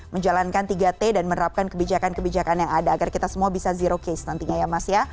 menjalankan tiga t dan menerapkan kebijakan kebijakan yang ada agar kita semua bisa zero case nantinya ya mas ya